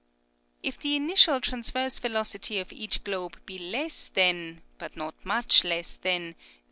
'' If the initial transverse velocity of each globe be less than, but not much less than, o.